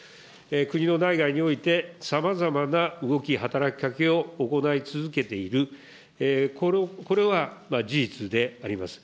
国の内外において、さまざまな動き、働きかけを行い続けている、これは事実であります。